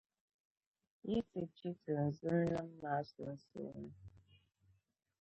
yi ti kpi tinzunnim’ maa sunsuuni.